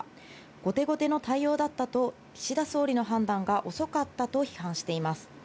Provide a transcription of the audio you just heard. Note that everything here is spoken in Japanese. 後手後手の対応だったと、岸田総理の判断が遅かったと批判しています。